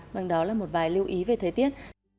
bằng đó là một vài lưu ý về thời tiết